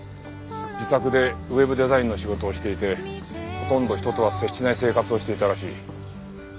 自宅でウェブデザインの仕事をしていてほとんど人とは接しない生活をしていたらしい。